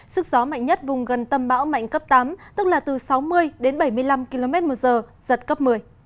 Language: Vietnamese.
sức gió mạnh nhất vùng gần tâm bão mạnh cấp tám tức là từ sáu mươi đến bảy mươi năm km một giờ giật cấp một mươi